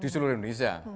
di seluruh indonesia